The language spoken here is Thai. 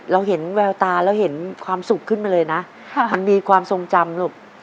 เราเห็นแววตาเราเห็นความสุขขึ้นมาเลยนะมันมีความทรงจำลูก